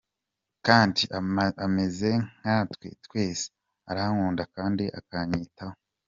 kandi ameze nkatwe twese, arankunda kandi akanyitaho, .